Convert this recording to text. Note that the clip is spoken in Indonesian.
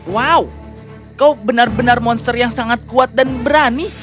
wow kau benar benar monster yang sangat kuat dan berani